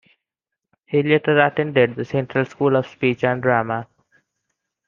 He later attended the Central School of Speech and Drama.